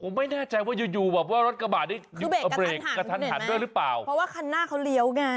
ผมไม่แน่ใจว่าหยุดว่ารถกระบาดเนี่ย